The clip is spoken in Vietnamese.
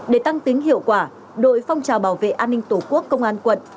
để tăng tính hiệu quả đội phong trào bảo vệ an ninh tổ quốc công an quận